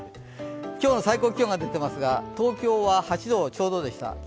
今日の最高気温が出ていますが東京は８度ちょうどでした。